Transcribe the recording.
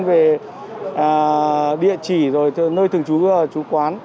về địa chỉ rồi nơi thường trú quán